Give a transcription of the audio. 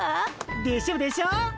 でしょでしょ。